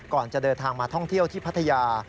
ก่อนจะเดินทางมาท่องเที่ยวที่พัทยา